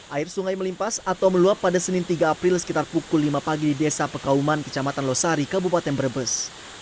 air sungai melimpas atau meluap pada senin tiga april sekitar pukul lima pagi di desa pekauman kecamatan losari kabupaten brebes